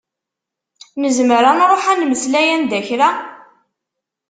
Nezmer ad nruḥ ad nmeslay anda kra?